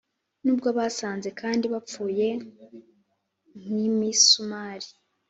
nubwo basaze kandi bapfuye nk'imisumari,